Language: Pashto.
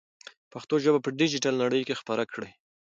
پښتو ژبه په ډیجیټل نړۍ کې خپره کړئ.